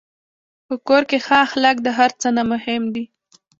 په کور کې ښه اخلاق د هر څه نه مهم دي.